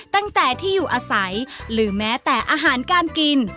ตั้งแต่ที่อยู่อาศัยหรือแม้แต่อาหารการกิน